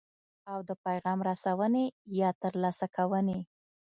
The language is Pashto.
او د پیغام رسونې یا ترلاسه کوونې.